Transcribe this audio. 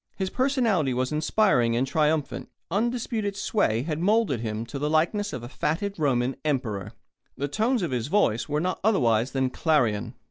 His personality was inspiring and triumphant. Undisputed sway had moulded him to the likeness of a fatted Roman emperor. The tones of his voice were not otherwise than clarion.